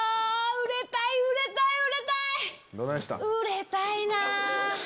売れたいなぁ！